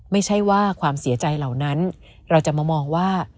ไม่ใช่ว่าความเสียใจเหล่านั้นเราจะมามองว่า